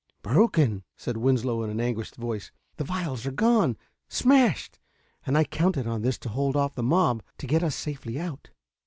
"Broken!" said Winslow in an anguished voice. "The vials are gone smashed! And I counted on this to hold off the mob, to get us safely out...."